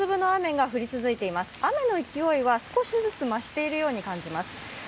雨の勢いは少しずつ増しているように感じます。